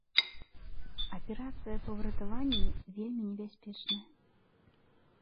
Аперацыя па выратаванні вельмі небяспечная.